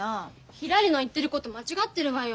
ひらりの言ってること間違ってるわよ。